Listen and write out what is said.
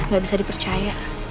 gak bisa dipercaya